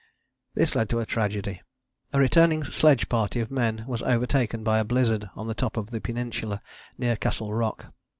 " This led to a tragedy. A returning sledge party of men was overtaken by a blizzard on the top of the Peninsula near Castle Rock.